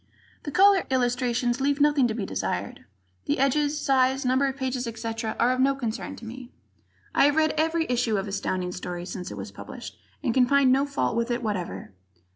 The cover illustrations leave nothing to be desired. The edges, size, number of pages, etc., are of no concern to me. I have read every issue of Astounding Stories since it was published and can find no fault with it whatever.